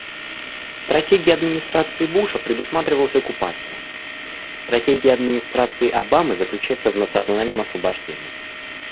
Стратегией администрации Буша предусматривалась оккупация; стратегия администрации Обамы заключается в национальном освобождении.